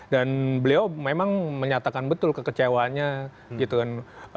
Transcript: dan beliau memang menyatakan betul kekecewaannya gitu kan